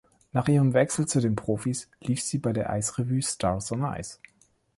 Nach ihrem Wechsel zu den Profis lief sie bei der Eisrevue Stars on Ice.